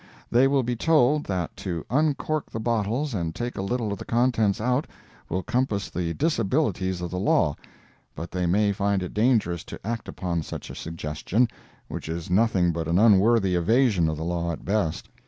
They will be told that to uncork the bottles and take a little of the contents out will compass the disabilities of the law, but they may find it dangerous to act upon such a suggestion, which is nothing but an unworthy evasion of the law, at best.